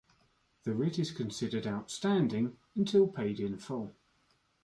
The writ is considered outstanding until paid in full.